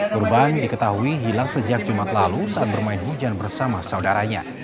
korban diketahui hilang sejak jumat lalu saat bermain hujan bersama saudaranya